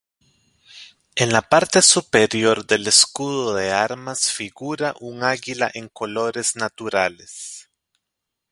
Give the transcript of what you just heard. En la parte superior del escudo de armas figura un águila en colores naturales.